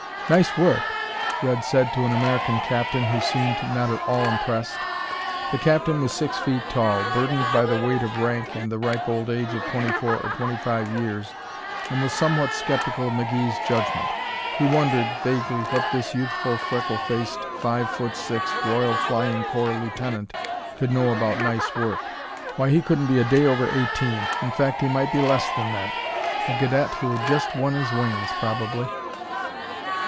"Nice work!" Red said to an American captain who seemed not at all impressed. The captain was six feet tall, burdened by the weight of rank and the ripe old age of twenty four or twenty five years, and was somewhat skeptical of McGee's judgement. He wondered, vaguely, what this youthful, freckle faced, five foot six Royal Flying Corps lieutenant could know about nice work. Why, he couldn't be a day over eighteen in fact, he might be less than that. A cadet who had just won his wings, probably.